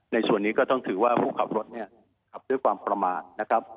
ในส่วนนี้ก็ต้องถือว่าผู้ขับรถเนี่ยขับด้วยความประมาทนะครับ